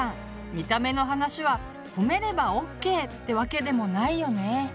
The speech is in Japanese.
見た目の話は褒めればＯＫってわけでもないよね。